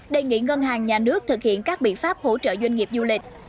đề nghị ngân hàng nhà nước thực hiện các biện pháp hỗ trợ doanh nghiệp du lịch